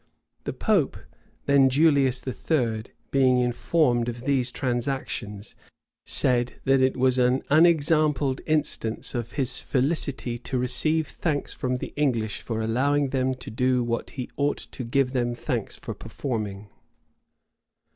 The pope, then Julius III., being informed of these transactions, said that it was an unexampled instance of his felicity to receive thanks from the English for allowing them to do what he ought to give them thanks for performing.